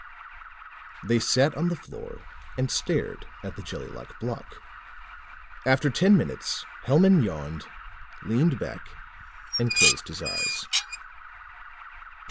They sat on the floor and stared at the jellylike block. After ten minutes, Hellman yawned, leaned back and closed his eyes.